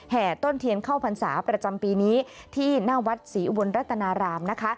ต้นเทียนเข้าพรรษาประจำปีนี้ที่หน้าวัดศรีอุบลรัตนารามนะคะ